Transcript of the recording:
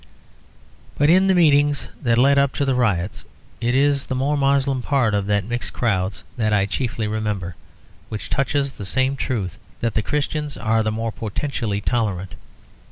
But in the meetings that led up to the riots it is the more Moslem part of the mixed crowds that I chiefly remember; which touches the same truth that the Christians are the more potentially tolerant.